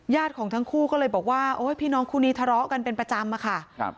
ของทั้งคู่ก็เลยบอกว่าโอ้ยพี่น้องคู่นี้ทะเลาะกันเป็นประจำอะค่ะครับ